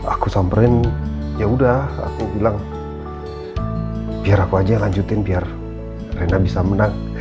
aku samperin yaudah aku bilang biar aku aja yang lanjutin biar rena bisa menang